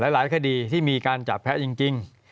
หลายคดีที่มีการจับแพ้จริง